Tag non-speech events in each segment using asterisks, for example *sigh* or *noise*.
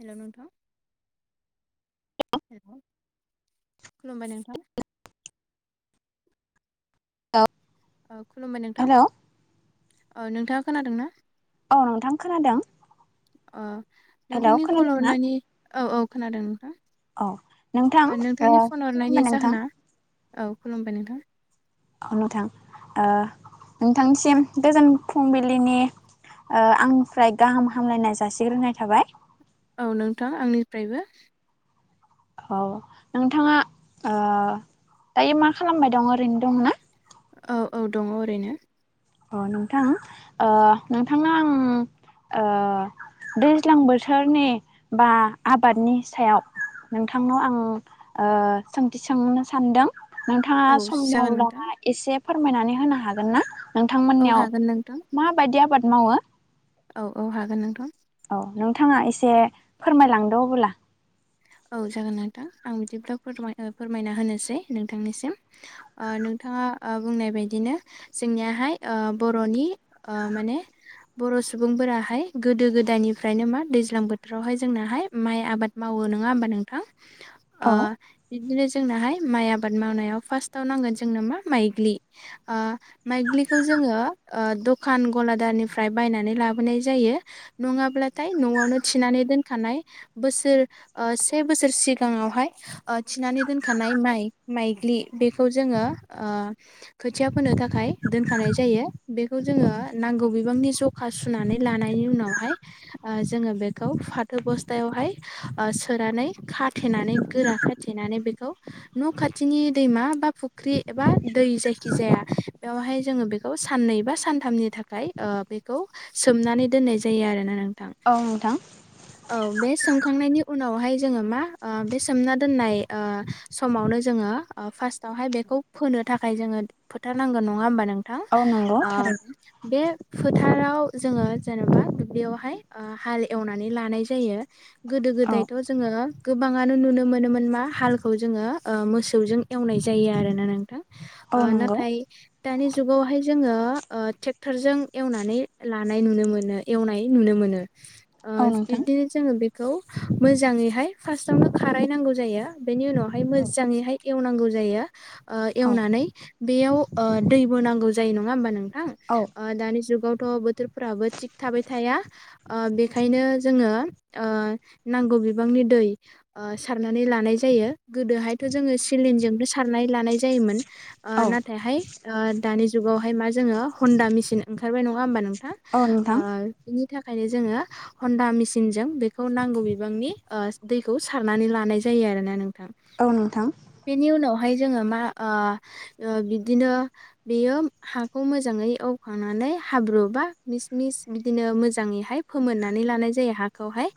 Hello नोंथां hello खुलुमबाय नोंथां। ओ खुलुमबाय नोंथां हेलौ ओ नोंथाङा खोनादोंना? औ नोंथां खोनादों। ओ हेलौ नोंथांनि कल खोनादोंना हरनानै औ औ खोनादों नोंथां। औ नोंथां ओ नोंथांनि फन हरनायनि खुलुमबाय नोंथां जाहोना औ खुलुमबाय नोंथां। ओ नोंथां ओ नोंथांनिसिम गोजान फुंबिलिनि ओ आंनिफ्राय गाहाम हामलायनाय जासिग्रोनाय थाबाय। औ नोंथां आंनिफ्रायबो। औ नोंथाङा ओ दायो मा खालामबाय दं ओरैनो दं ना? औ औ दङ ओरैनो। अ नोंथां ओ नोंथांनो आं ओ दैज्लां बोथोरनि बा आबादनि सायाव नोंथांनाव आं ओ सोंथि सोंनो सान्दों। नोंथाङा औ सम दं जागोन नोंथां दंना एसे फोरमायनानै होनो हागोन ना? औ थांमोननियाव हागोन नोंथां माबायदि आबाद मावो? औ औ हागोन नोंथां। औ नोंथाङा एसे फोरमायलांदो अबोला। औ जागोन नोंथां आं बिदिब्ला फोरथाय फोरमाय फोरमायना होनोसै नोंथांनिसिम। ओ नोंथाङा ओ बुंनाय बायदिनो। जोंनियाहाय ओ बर'नि ओ माने बर' सुबुंफोराहाय गोदो गोदायनिफ्रायनो मा दैज्लां बोथोरावहाय जोंनाहाय माइ आबाद मा वो नङा होमबा नोंथां ओ औ बिदिनो जोंनोहाय माइ आबाद मावनायाव फार्स्टाव नांगोन जोंनो मा माइग्लि ओ माइग्लिखौ जोङो ओ दखान गलादारनिफ्राय बायनानै लाबोनाय जायो। नङाब्लाथाय न'आवनो थिनानै दोनखानाय बोसोर से बोसोर सिगाङावहाय ओ थिनानै दोनखानाय माइ माइग्लि बेखौ जोङो ओ खोथिया फोनो थाखाय दोनखानाय जायो बेखौ जोङो नांगौ बिबांनि ज' खा सुनानै लानायनि उनावहाय ओ जोङो बेखौ फाथो बस्थायावहाय। ओ सोरानै खाथेनानै गोरा खाथेनानै बेखौ न' खाथिनि दैमा बा फुख्रि एबा दै जायखि जाया बेवहाय जोङो बेख खौ साननै बा सानथामनि थाखाय बेखौ सोमनानै दोननाय जायो आरोना नोंथां। औ नोंथां। औ बे सों सुखांनायनि उनावहाय जोङो मा ओ बे सोमना दोननाय समावनो जोङो। ओ फार्स्टावहाय बेखौ फोनो थाखाय जोङो फोथारनांगोन नङा होमबा नोंथां औ नंगौ ओ थारैनो बे फोथाराव जोङो जेनबा दुब्लियावहाय ओ हाल एवनानै लानाय जायो गोदो औ गोदायथ' ज जोङो गोबाङानो नुनो मोनोमोन मा हालखौ जोङो ओ मोसौजों एवनाय जायो आरोना नोंथां। औ ओ नंगौ नाथाय दानि जुगावहाय जोङो ट्रेक्टरजों एवनानै लानाय नुनो मोनो। एवनाय नुनो मोनो ओ औ नोंथां बिब्दिनो जोङो बेखौ मोजाङैहाय फार्स्टावनो खाराय नांगौ जायो बेनि उनावहाय औ मोजाङैहाय एवनांगौ जायो। औ एवनानै बेयाव दैबो नांगौ जायो नङा होमबा नोंथां। औ ओ दानि जुगावथ' बोथ थोरफोराबो थिग थाबाय थाया ओ बेखायनो जोङो ओ नांगौ बिबांनि दै ओ सारनानै लानाय जायो गोदोहायथ' जोङो सिलिनजोंनो सारनानै लानाय जायोमोन। ओ औ नाथायहाय ओ दानि जुगावहाय मा जोङो हन्दा मेसिन ओंखारबाय नङा होमबा नोंथां। औ नोंथां ओ बिनि थाखायनो जोङो हन्दा मेसिनजों बे खौ नांगौ बिबांनि ओ दैखौ सारनानै लानाय जायो आरोना नोंथां। औ नोंथां। बेनि उनावहाय जोङो मा ओ ओ बिदिनो। बेयो हाखौ मोजाङै एवखांनानै हाब्रु बा मिस मिस बिदिनो मोजाङैहाय फोमोननानै लानाय जायो हाखौहाय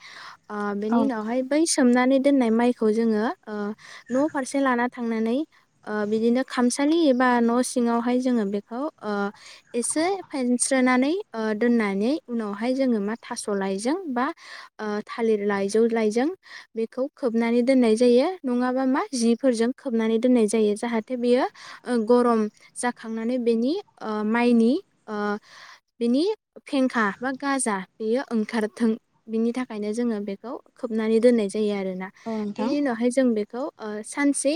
ओ बेनि औ नोंथां उनावहायब बै सोमनानै दोननाय माइखौ जोङो ओ न' फारसे लाना थांनानै ओ बिदिनो खामसालि एबा न' सिङावहाय जोङो बेखौ ओ एसे फेनस्रोनानै ओ दोननानै उनावहाय जोङो मा थास' लाइजों बा ओ थालिर लाइजौ लाइजों बेखौ खोबनानै दोननाय जायो नङाबा मा जिफोरजों खोबनानै दोननाय जायो जाहाथे बेयो ओ गरम जाखांनानै बेनि ओ माइनि ओ बिनि फेंखा बा गाजा बेयो ओंखारथों बिनि था ओंखायनो जोङो बेखौ खोबनानै दोननाय जायो आरोना औ नोंथां बेनि उनावहाय जों बेखौ ओ सानसे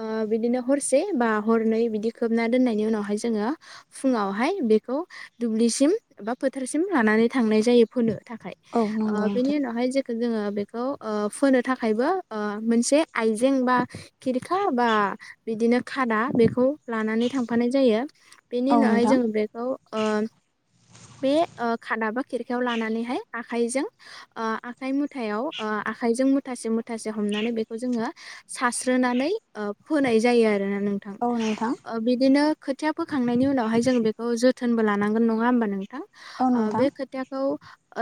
ओ बिदिनो हरसे बा हरनै बिदि खोबना दोननायनि उनावहाय जोङो फुङावहाय बेखौ दुब्लिसिम बा फोथारसिम लानानै थांनाय जायो फोनो थाखाय। औ नंगौ नोंथां। जाहाय जेखो जोङो बेखौ ओ फोनो थाखायबो ओ मोनसे आइजें बा खिरखा बा बिदिनो खादा बेखौ लानानै थांफानाय जायो। औ बेनि उनावहाय नोंथां जों बेखौ बे खादाबा खिरखायाव लानानैहाय आखाइजों ओ आखाइ मुथायाव ओ आखाइजों मुथासे मुथासे हमनानै बेखौ जोङो सारस्रोनानै ओ फोनाय जायो आरोना नोंथां। औ नोंथां ओ बिदिनो खोथिया फोखांनायनि उनावहाय जोङो बेखौ जोथोनबो लानांगोन नङा होमबा नोंथां। ओ औ नोंथां बे खोथियाखौ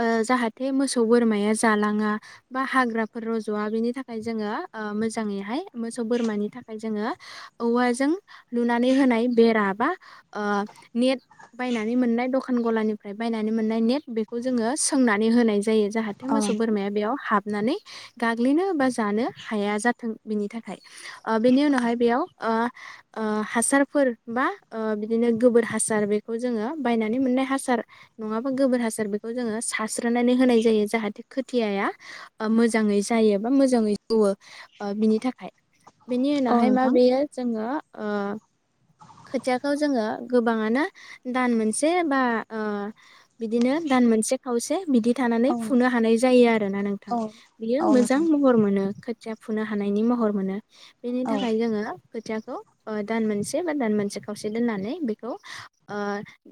ओ जाहाथे मोसौ बोरमाया जालाङा। बा हाग्राफोर रज'वा बेनि थाखाय जोङो ओ मोजाङैहाय मोसौ बोरमानि थाखाय जोङो औवाजों लुनानै होनाय बेरा बा ओ नेट बायनानै मोननाय दखान गलानिफ्राय बायनानै मोननाय नेट बेखौ जोङो सोंनानै होनाय जायो जाहाथे औ मोसौ बोरमाया बेयाव हाबनानै गाग्लिनो बा जानो हाया जाथों बिनि थाखाय। ओ बेनि उनावहाय बेयाव ओ ओ हासारफोर बा ओ बिदिनो गोबोर हासार बेखौ जोङो बायनानै मोननाय हासार नङाबा गोबोर हासार बेखौ जोङो सारस्रोनानै होनाय जायो जाहाथे खोथिया या ओ मोजाङै जायो बा मोजाङै जौवो ओ बिनि थाखाय। बेनि उनावहाय मा नोंथां बेयो जोङो ओ खोथियाखौ जोङो गोबाङानो दान मोनसे बा ओ बिदिनो दान मोनसे खावसे बिदि थानानै औ नोंथां फुनो हानाय जायो आरोना नोंथां औ बियो मोजां नोंथां महर मोनो खोथि फुनो हानायनि महर मोनो बेनि औ थाखाय जोङो खोथियाखौ ओ दान मोनसे से बा दान मोनसे खावसे दोननानै बेखौ ओ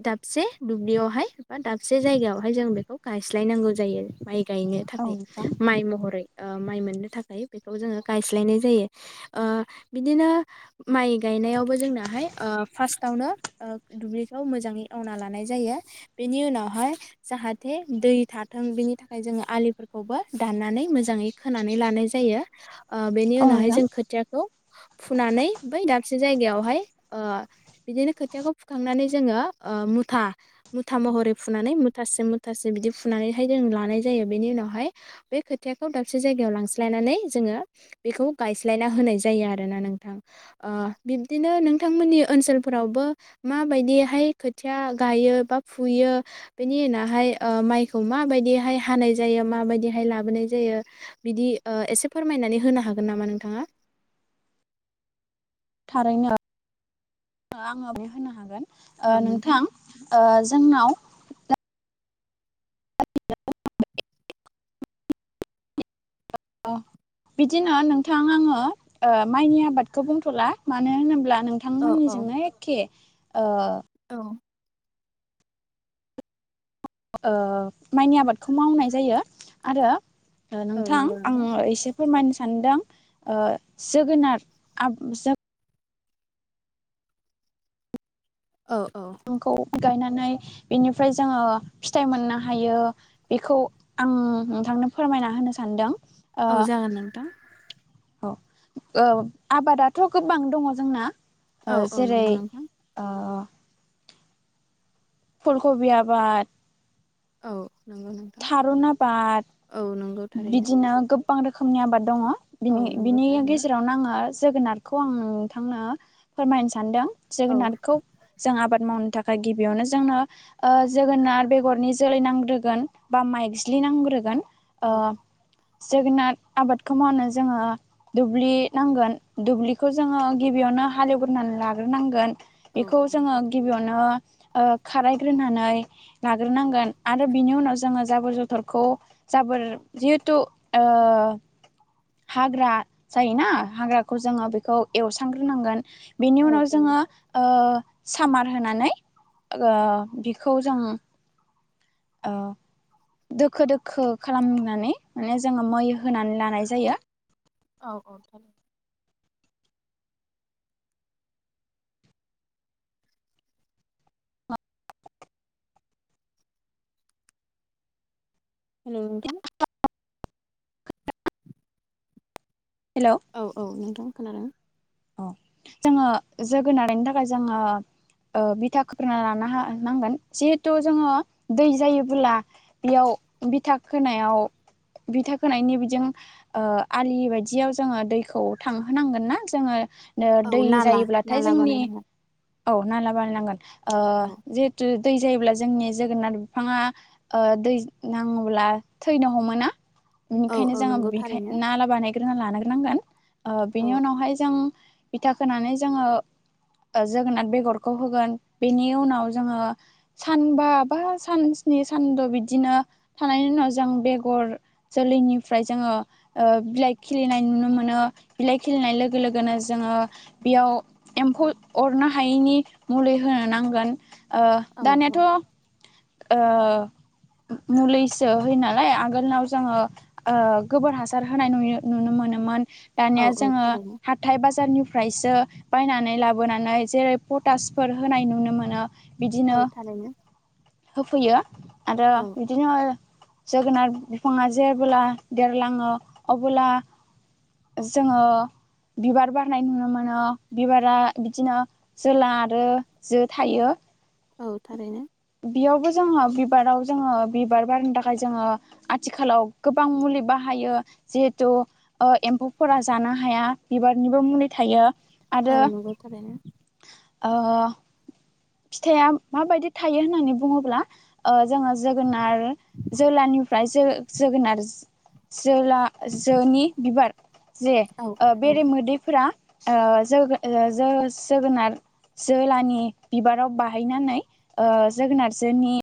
दाबसे दुब्लियावहाय बा दाबसे जायगायावहाय जों बेखौ गायस्लायनांगौ जायो माइ गायनो औ नोंथां औ थाखाय नोंथां माइ महरै ओ माइ मोननो थाखाय बेखौ जोङो गायस्लायनाय जायो। ओ बिदिनो माइ गायनायावबो जोंना हाय ओ फार्स्टआवनो ओ दुब्लिखौ मोजाङै एवना लानाय जायो। बेनि उनाव हाय जाहाथे दै थाथों बेनि थाखाय जोङो आलिफोरखौबो दाननानै मोजाङै खोनानै लानाय जायो। ओ बेनि औ उनावहाय नोंथां जों खोथियाखौ फुनानै बै दाबसे जायगायावहाय ओ बिदिनो खोथियाखौ फुखांनानै जोङो ओ मुथा। मुथा महरै फुनानै मुथासे मुथासे बिदि फुनानैहाय जों लानाय जायो बेनि उनावहाय बे खोथियाखौ दाबसे जायगायाव लांस्लायनानै जोङो बेखौ गायस्लाइना होनाय जायो आरोना नोंथां ओ बिब्दिनो नों नोंथांमोननि ओनसोलफोरावबो माबायदिहाय खोथिया गायो बा फुयो। बेनि उनावहाय ओ माइखौ माबायदिहाय हानाय जायो माबायदिहाय लाबोनाय जायो। बिदि ओ एसे फोरमायनानै होनो हागोन नामा नोंथाङा। थारैनो आङो बे होनो हागोन ओ नोंथां ओ जोंनाव *unintelligible* बिदिनो नोंथां आङो ओ माइनि आबादखौ बुंथ'ला मानो होनोब्ला नों औ थांमोननिजोंनो एखे ओ औ माइनि आबादखौ मावनाय जायो आरो औ नोंथां ओ नंगौ आङो एसे फोरमायनो सानदों ओ जोगोनार आब जा औ औ खौ गायनानै बिनिफ्राय जोङो फिथाइ मोननो हायो। बिखौ आं नोंथांनो फोरमायना होनो सानदों। औ जागोन नोंथां। अ औ आबादाथ' गोबां दङ जोंना। ओ औ औ जेरै नंगौ नोंथां अ अ फुलकबि आबाद। औ नंगौ नं थारुन आबाद थारैनो बिदिनो गोबां रोखोमनि आबाद दङ। औ बिनि नंगौ बिनि थारैनो गेजेरावनो आङो जोगोनादखौ आं नोंथांनो फोरमायनो सानदों औ जोगोनारखौ जों आबाद मावनो थाखाय गिबियावनो जोंनो जोगोनार बेगरनि जोलै नांग्रोगोन। बा माइज्लि नांग्रोगोन ओ औ जोगोनार आबादखौ मावनो जोङो दुब्लि नांगोन दुब्लिखौ जोङो गिबियावनो हालेवग्रोनानै लाग्रोनांगोन औ बेखौ औ जोङो नंगौ थारैनो गिबियावनो ओ खारायग्रोनानै लाग्रोनांगोन आरो बिनि उनाव जोङो जाबोर जथरखौ जाबोर जिहेथु ओ हाग्रा जायोना हाग्राखौ जोङो बेखौ एवस्रांग्रोनांगोन बेनि औ उनाव औ जोङो ओ सामार होनानै ओ बिखौ जों दोखो -दोखो खालामनानै ओ माने जोङो मै होनानै लानाय जायो। औ औ हेल नोंथां हेल' औ औ नोंथां खोनादों अ जोङो जोगोनारनि थाखाय जोङो ओ बिथा खोरना लाना हा नांगोन जिहेथु जोङो दै जायोबोला बेयाव बिथा खोनायाव बिथा खोनायनि बिजों ओ आलि बायदियाव जोङो दैखौ थांहोनांगोन ना जोङो औ दै नाला जायोब्लाथाय नाला जोंनि बानायनांगोन औ नाला बानायनांगोन ओ औ जिहेथु दै जायोब्ला जोंनि जोगोनार बिफाङा दै नाङोब्ला थैनो हमो ना। औ बेनिखायनो औ जोङो नंगौ थारैनो बेखायनो नाला बानायग्रोना लानो नांगोन औ बेनि उनावहाय जों बिथा खोनानै जोङो जोगोनाथ बेगरखौ होगोन बेनि उनाव जोङो सानबा बा सान स्नि सानद' बिदिनो थानायनि उनाव जों बेगर जोलैनिफ्राय जोङो बिलाइ खिलिनाय नुनो मोनो बिलाइ खिलिनाय लोगो लोगोनो जोङो बेयाव एम्फौ अरनो हायैनि मुलि होनो नांगोन ओ औ औ दानियाथ' ओ मुलैसो होयो नालाय आगोलनाव जोङो गोबोर हासार होनाय नु नुनो मोनोमोन औ दानिया औ जोङो थारैनो हाइ बाजारनिफ्रायसो बायनानै लाबोनानै जेरै पटासफोर होनाय नुनो मोनो। बिदिनो औ थारैनो होफैयो आरो औ बिदिनो जोगोनार बिफाङा जेबोब्ला देरलाङो अबोला जोङो बिबार बारनाय नुनो मोनो बिबारा बिदिनो जोला आरो जो थायो औ थारैनो। बियावबो जोङो बिबाराव जोङो बिबार बारनो थाखाय जोङो। आथिखालाव गोबां मुलि बाहायो जिहेथु औ एम्फौफोरा जानो हाया बिबारनिबो मुलि थायो। औ नंगौ थारनो। औ अ फिथाइआ मा बायदि थायो होननानै बुङोब्ला ओ जोङो जोगोनार जोलानिफ्राय जो जोगोनार जोला जोनि बिबार जे औ ओ औ बेरेमोदैफोरा ओ जोगो जोगो ओ जोगोनार जोलानि बिबाराव बाहैनानै जोगोनार जों नि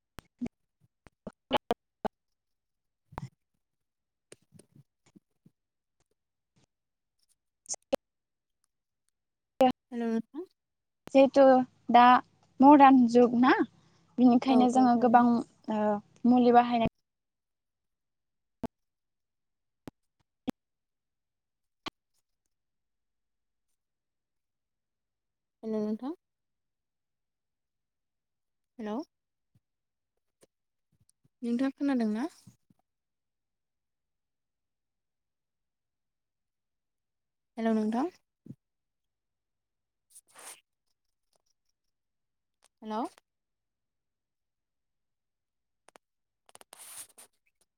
हेलौ। जिहेथु दा मडार्न जुग ना औ बिनिखायनो औ जोङो थारैनो गोबां। ओ मुलि बाहायनाय हेलौ नोंथां। हेलौ नोंथाङा खोनादों ना? हेलौ नोंथां। *inaudible* हेलौ।